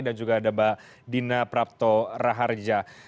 dan juga ada mbak dina praptoparaharja